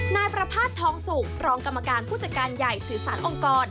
นายประภาษณทองสุกรองกรรมการผู้จัดการใหญ่สื่อสารองค์กร